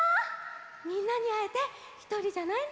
みんなにあえてひとりじゃないんだ